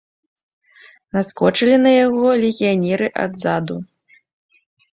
Наскочылі на яго легіянеры адзаду.